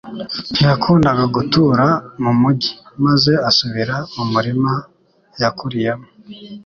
ntiyakundaga gutura mu mujyi maze asubira mu murima yakuriyemo.